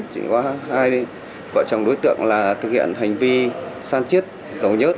chỉ có hai vợ chồng đối tượng là thực hiện hành vi sáng chết dầu nhất